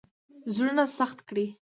زړونه سخت کړي.